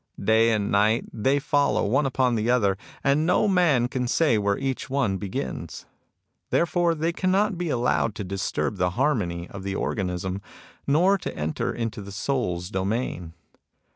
Day and night they follow one upon the other, and no man can say where each one begins. Therefore they cannot be allowed to disturb the harmony of the organism, nor enter into the soul's domain.